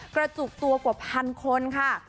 กระจุกตัวกว่าพันคนค่ะ